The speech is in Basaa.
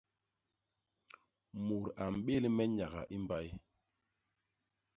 Mut a mbél me nyaga i mbay.